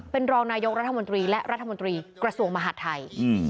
เป็นรองนายกรัฐมนตรีและรัฐมนตรีกระทรวงมหาดไทย